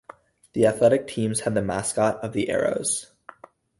The athletic teams had the mascot of the Arrows.